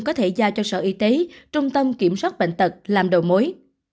có thể giao cho sở y tế trung tâm kiểm soát bệnh tật làm đầu mối